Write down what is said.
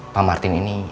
pak martin ini